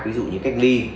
ví dụ như cách ly